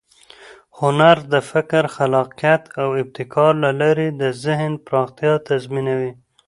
هنر د فکر، خلاقیت او ابتکار له لارې د ذهن پراختیا تضمینوي.